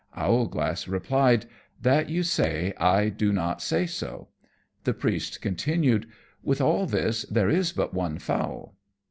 Owlglass replied, "That you say, I do not say so." The Priest continued, "With all this, there is but one fowl."